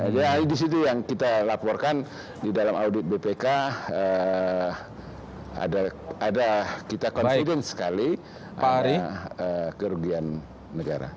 jadi disitu yang kita laporkan di dalam audit bpk ada kita confidence sekali kerugian negara